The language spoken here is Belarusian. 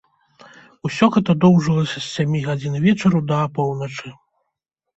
Усё гэта доўжылася з сямі гадзін вечару да апоўначы.